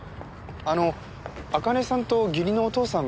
あの茜さんと義理のお父さんが昨日ですね。